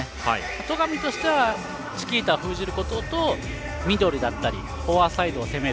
戸上としてはチキータを封じることとミドルだったりフォアサイドを攻める。